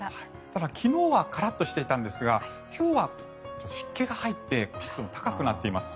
ただ、昨日はカラッとしていたんですが今日は湿気が入って湿度も高くなっています。